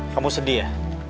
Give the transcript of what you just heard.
kamu sedih ya